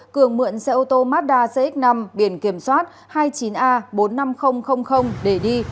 cường mượn xe ô tô mazda cx năm biển kiểm soát hai mươi chín a bốn mươi năm nghìn để đi